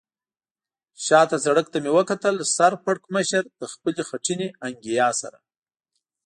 شا ته سړک ته مې وکتل، سر پړکمشر له خپلې خټینې انګیا سره.